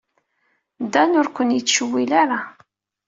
Dan ur ken-yettcewwil ara.